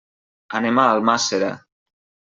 Anem a Almàssera.